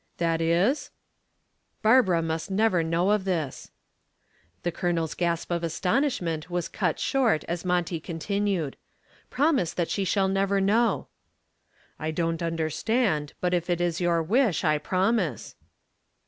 "That is?" "Barbara must never know of this." The Colonel's gasp of astonishment was cut short as Monty continued. "Promise that she shall never know." "I don't understand, but if it is your wish I promise."